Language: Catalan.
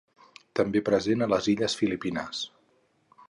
També present a les Illes Filipines.